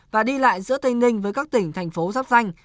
và đi lại giữa tây ninh với các tỉnh thành phố giáp danh